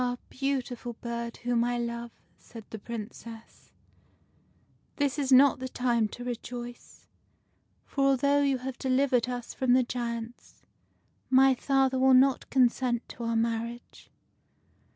beautiful bird, whom I love," said the Princess, " this is not the time to rejoice ; for, although you have delivered us from the giants, my father will not consent to our marriage."